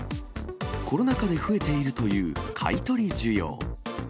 コロナ禍で増えているという買い取り需要。